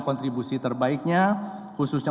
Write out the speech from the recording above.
kontribusi terbaiknya khususnya